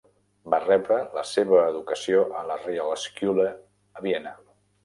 Va rebre la seva educació a la Realschule a Viena.